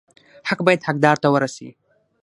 حق باید حقدار ته ورسي